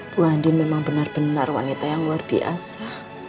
bu handi memang benar benar wanita yang luar biasa